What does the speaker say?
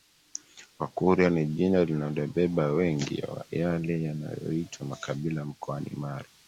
Wakurya ni jina linalobeba mengi ya yale yanaoyoitwa makabila mkoani Mara